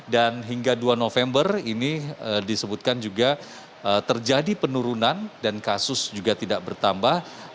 dan hingga dua november ini disebutkan juga terjadi penurunan dan kasus juga tidak bertambah